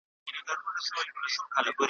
وایم بخت مي تور دی لکه توره شپه ,